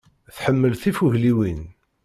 Tḥemmel tifugliwin.